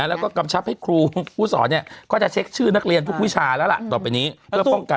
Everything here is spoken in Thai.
และก็กำชับให้ครูผู้สอนก็จะเช็คชื่อนักเรียนทุกวิชาแล้ว